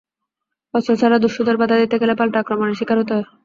অস্ত্র ছাড়া দস্যুদের বাধা দিতে গেলে পাল্টা আক্রমণের শিকার হতে হয়।